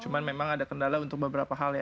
cuma memang ada kendala untuk beberapa hal ya